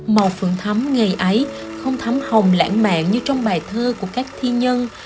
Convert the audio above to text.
màu phượng thấm ngày ấy không thấm hồng lãng mạn như trong bài thơ của các thi nhân